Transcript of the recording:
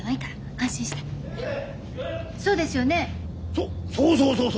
そそうそうそうそう。